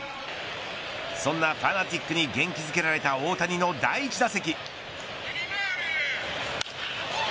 そんなファナティックに元気づけられた大谷の第１打席。